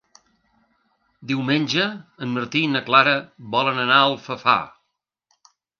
Diumenge en Martí i na Clara volen anar a Alfafar.